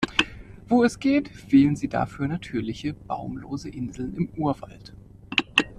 Wo es geht, wählen sie dafür natürliche baumlose Inseln im Urwald.